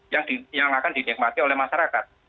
yang akan dinikmati oleh masyarakat